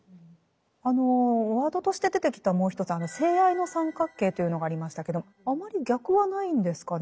ワードとして出てきたもう一つ「性愛の三角形」というのがありましたけどあまり逆はないんですかね。